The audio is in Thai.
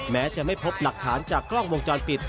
แม้จะไม่พบหลักฐานจากกล้องวงจรปิด